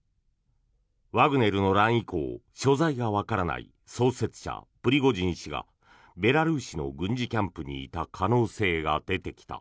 ワグネルの乱以降所在がわからない創設者、プリゴジン氏がベラルーシの軍事キャンプにいた可能性が出てきた。